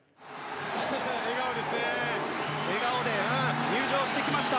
笑顔で入場してきました。